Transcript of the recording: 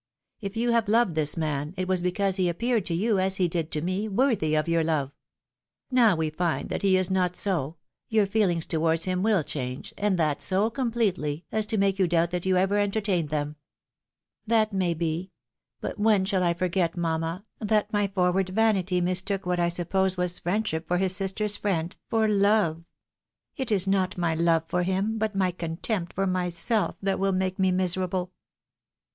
If you have loved this man, it was because he appeared to you, as he did to me, worthy of your love. Now we find that he is not so, your feelings towards A QtTESTIOK OP LOVE DEBATED. 349 him will change, and that so completely, as to make you doubt that you ever entertained them." " That may be. But when shall I forget, mamma, that my forward vanity mistook what I suppose was friendship for his sister's friend, for love ? It is not my love for him, but my contempt for myself, that will make me miserable."